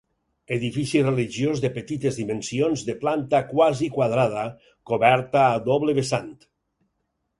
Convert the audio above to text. Edifici religiós de petites dimensions de planta quasi quadrada, coberta a doble vessant.